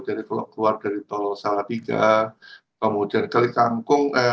jadi kalau keluar dari tol salatiga kemudian kelikangkung